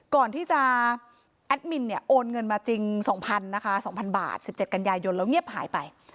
ก่อนที่จะแอดมินโอนเงินมาจริง๒๐๐๐บาท๑๗กัญญายนแล้วเงียบหายไป